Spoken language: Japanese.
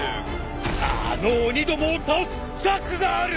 あの鬼どもを倒す策がある。